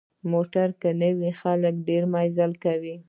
موټر که نه وي، خلک ډېر مزل کوي.